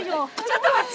ちょっと待っ。